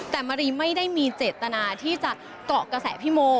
แต่มารีไม่ได้มีเจตนาที่จะเกาะกระแสพี่โม